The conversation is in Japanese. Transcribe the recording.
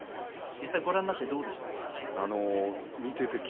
ご覧になってどうでしたか？